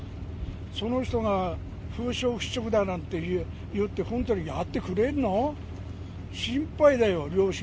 その人が、風評払拭だなんて言って、本当にやってくれんの？